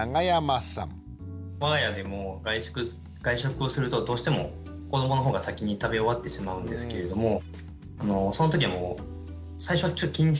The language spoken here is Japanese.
我が家でも外食をするとどうしても子どもの方が先に食べ終わってしまうんですけれどもその時はもう最初は気にしてたんですけどね私も。